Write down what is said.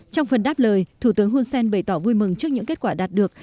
trong phần đáp lời thủ tướng hunsen bày tỏ vui mừng trước những kết quả đạt được